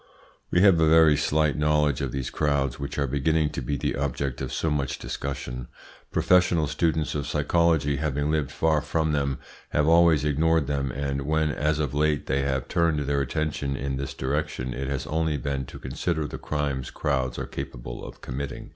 We have a very slight knowledge of these crowds which are beginning to be the object of so much discussion. Professional students of psychology, having lived far from them, have always ignored them, and when, as of late, they have turned their attention in this direction it has only been to consider the crimes crowds are capable of committing.